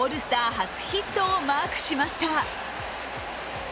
初ヒットをマークしました。